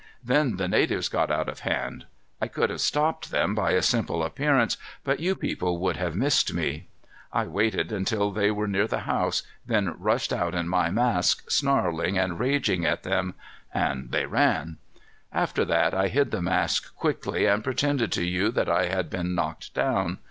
Then the natives got out of hand. I could have stopped them by a simple appearance, but you people would have missed me. I waited until they were near the house, then rushed out in my mask, snarling and raging at them, and they ran. After that I hid the mask quickly and pretended to you that I had been knocked down.